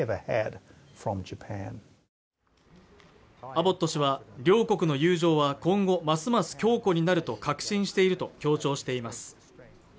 アボット氏は両国の友情は今後ますます強固になると確信していると強調しています